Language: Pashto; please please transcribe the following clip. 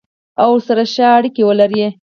او ورسره ښه اړیکه ولري.